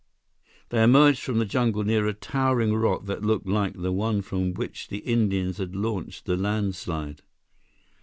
They emerged from the jungle near a towering rock that looked like the one from which the Indians had launched the landslide.